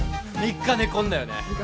３日寝込んだよね